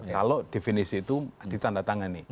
kalau definisi itu ditanda tangan nih